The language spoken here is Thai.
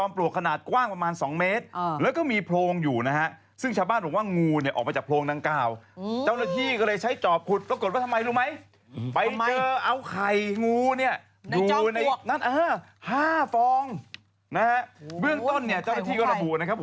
เป็นหัวหน้าหน่วยกู้ชีพอ่าวลึกวิลล่านะฮะอยู่ที่กระบี่นะครับ